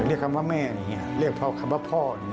เรียกคำว่าแม่เรียกพ่อคำว่าพ่อ